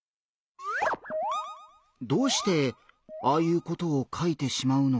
どうしてああいうことを書いてしまうのかな？